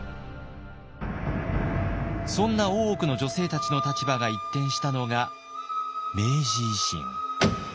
そんな大奥の女性たちの立場が一転したのが明治維新。